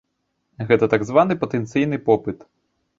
Гэта так званы патэнцыйны попыт.